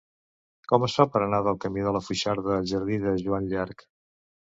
Com es fa per anar del camí de la Foixarda al jardí de Joan Llarch?